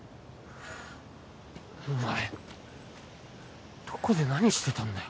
お前どこで何してたんだよ？